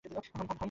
হুম, হুম।